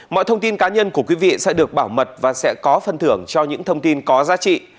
mọi thông tin cá nhân của quý vị sẽ được bảo mật và sẽ có phân thưởng cho những thông tin có giá trị